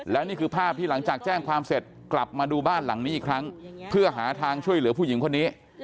และนี่คือภาพที่หลังจากแจ้งความเสร็จกลับมาดูบ้านหลังนี้อีกครั้งเพื่อหาทางช่วยเหลือผู้หญิงคนนี้